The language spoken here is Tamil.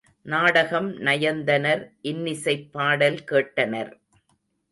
நாடகம் நயந்தனர் இன்னிசைப் பாடல் கேட்டனர்.